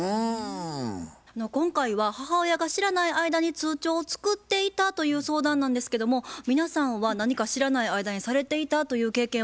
今回は母親が知らない間に通帳を作っていたという相談なんですけども皆さんは何か知らない間にされていたという経験はありますか？